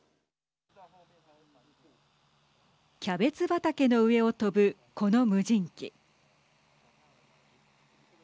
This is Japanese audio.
きゃべつ畑の上を飛ぶこの無人機。